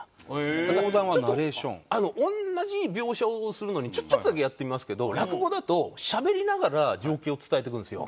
同じ描写をするのにちょっとだけやってみますけど落語だとしゃべりながら状況を伝えていくんですよ。